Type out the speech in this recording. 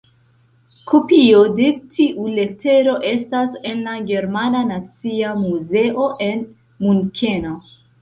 Kopio de tiu letero estas en la germana nacia muzeo en Munkeno.